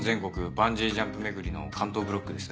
バンジージャンプ巡りの関東ブロックですね。